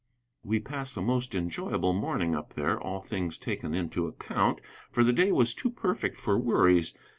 We passed a most enjoyable morning up there, all things taken into account, for the day was too perfect for worries.